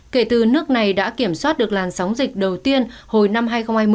kể từ nước này đã kiểm soát được làn sóng dịch đầu tiên hồi năm hai nghìn hai mươi